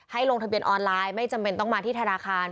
ลงทะเบียนออนไลน์ไม่จำเป็นต้องมาที่ธนาคาร